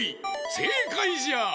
せいかいじゃ！